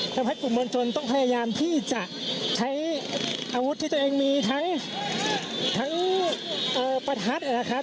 ทำให้กลุ่มมวลชนต้องพยายามที่จะใช้อาวุธที่ตัวเองมีทั้งประทัดนะครับ